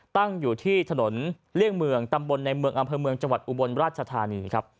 ตั้งอยู่ที่ถนนเรีย่งเมืองตำบลในเมืองอำเภอเมืองจมอุบลราชาธารณี